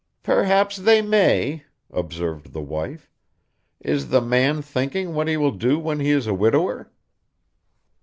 'Perhaps they may,' observed the wife. 'Is the man thinking what he will do when he is a widower?